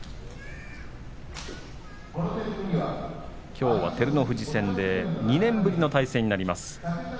きょうは照ノ富士戦で２年ぶりの対戦になります。